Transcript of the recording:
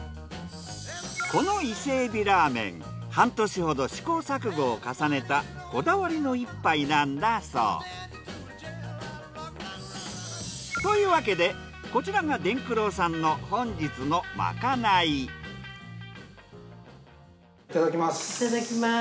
この伊勢海老ラーメン半年ほど試行錯誤を重ねたこだわりの１杯なんだそう。というわけでこちらがいただきます。